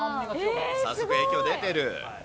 早速、影響出てる。